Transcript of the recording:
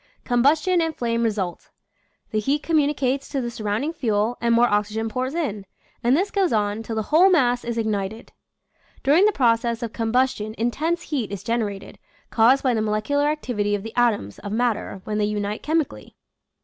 Combustion and flame result. The heat communicates to the surrounding fuel and more oxygen pours in, and this goes on till the whole mass is ignited. During the process of combustion intense heat is generated, caused by the molecular activity of the atoms of matter when they unite chemically.